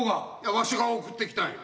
わしが送ってきたんや。